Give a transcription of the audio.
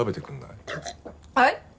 はい！？